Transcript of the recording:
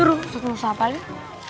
seru ustadz musa hafalin